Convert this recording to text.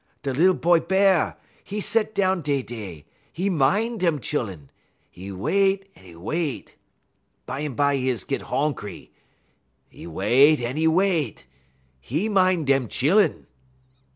Da lil boy Bear, 'e set down dey dey; 'e min' dem chillun; 'e wait en 'e wait. Bumbye, 'e is git honkry. 'E wait en 'e wait. 'E min' dem chillun.